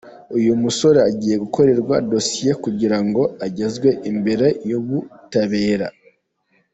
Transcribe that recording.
Uyu musore agiye gukorerwa dosiye kugira ngo agezwe imbere y’ubutabera.